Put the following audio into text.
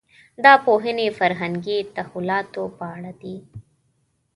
دا پوهنې فرهنګي تحولاتو په اړه دي.